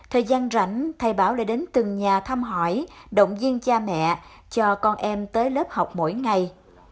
thời gian rảnh thầy bảo lại đến từng nhà thăm hỏi động viên cha mẹ cho con em tới lớp học mỗi ngày